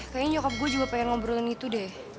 kayaknya nyokap gue juga pengen ngobrolin itu deh